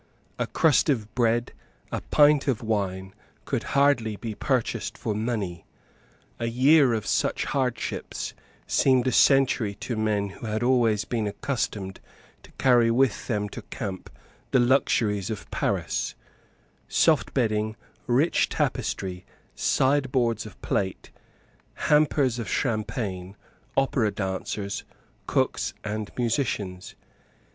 A crust of bread, a pint of wine, could hardly be purchased for money. A year of such hardships seemed a century to men who had always been accustomed to carry with them to the camp the luxuries of Paris, soft bedding, rich tapestry, sideboards of plate, hampers of Champagne, opera dancers, cooks and musicians.